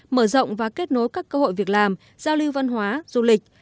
mở rộng và kết nối các cơ hội việc làm giao lưu văn hóa du lịch